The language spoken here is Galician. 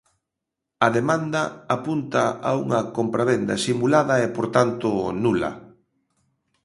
A demanda apunta a unha compravenda simulada e por tanto, nula.